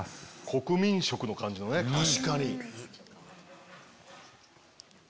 国民食の感じのカレー。